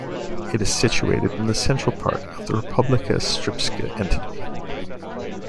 It is situated in the central part of the Republika Srpska entity.